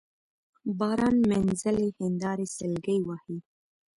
باران مينځلي هينداري سلګۍ وهي